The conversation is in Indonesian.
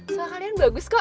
suara kalian bagus kok